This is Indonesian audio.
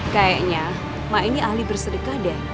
kayaknya ma ini ahli bersedekah deh